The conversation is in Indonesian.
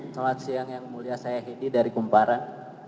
selamat siang yang mulia saya hedi dari kumparan